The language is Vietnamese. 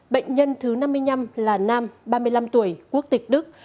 bệnh nhân thứ năm mươi năm là nam ba mươi năm tuổi quốc tịch đức